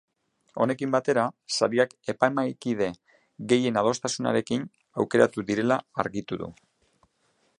Honekin batera, sariak epaimahaikide gehienen adostasunarekin aukeratu direla argitu du.